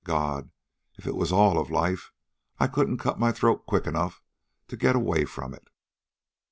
God! if it was all of life I couldn't cut my throat quick enough to get away from it.